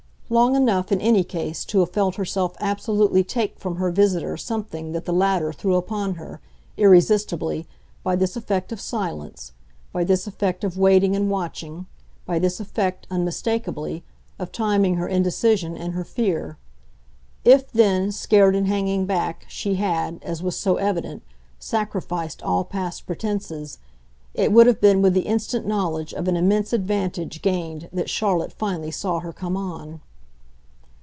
Long enough, in any case, to have felt herself absolutely take from her visitor something that the latter threw upon her, irresistibly, by this effect of silence, by this effect of waiting and watching, by this effect, unmistakably, of timing her indecision and her fear. If then, scared and hanging back, she had, as was so evident, sacrificed all past pretences, it would have been with the instant knowledge of an immense advantage gained that Charlotte finally saw her come on.